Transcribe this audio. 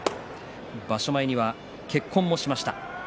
場所前には結婚もしました。